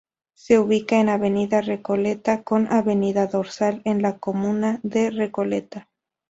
Se ubica en Avenida Recoleta con Avenida Dorsal, en la comuna de Recoleta.